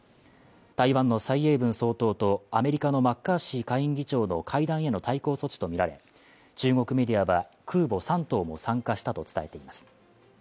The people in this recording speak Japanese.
台湾の蔡英文総統とアメリカのマッカーシー下院議長の会談への対抗措置とみられ中国メディアは空母「山東」も参加したと伝えています。